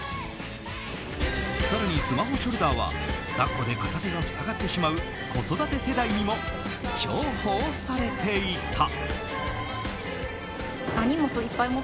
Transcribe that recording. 更に、スマホショルダーは抱っこで片手が塞がってしまう子育て世代にも重宝されていた。